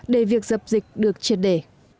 để việc dập dịch được triệt để